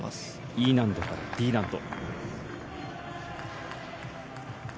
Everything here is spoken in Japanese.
Ｅ難度からＤ難度。